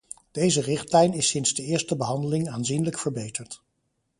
Deze richtlijn is sinds de eerste behandeling aanzienlijk verbeterd.